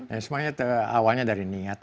sebenarnya awalnya dari niat